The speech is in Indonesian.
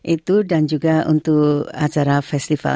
itu dan juga untuk acara festival